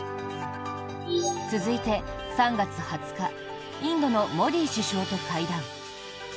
続いて、３月２０日インドのモディ首相と会談。